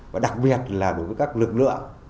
và đặc biệt là đối với các lực lượng